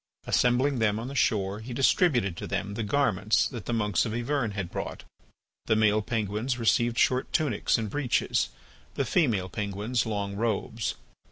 Assembling them on the shore, he distributed to them the garments that the monks of Yvern had brought. The male penguins received short tunics and breeches, the female penguins long robes.